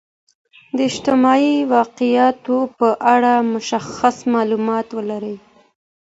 د اجتماعي واقعیتونو په اړه مشخص معلومات ولرئ.